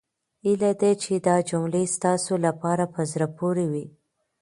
هيله ده چې دا جملې ستاسو لپاره په زړه پورې وي.